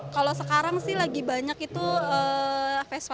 kalau sekarang sih lagi banyak itu vespa